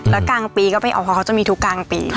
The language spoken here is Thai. แล้วกลางปีก็ไม่ออกเพราะเขาจะมีทุกกลางปี